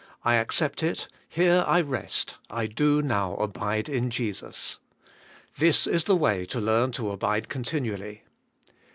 I accept it; here I rest; I do now abide in Jesus.' This is the way to learn to abide continually.